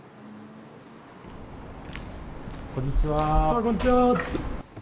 こんにちは。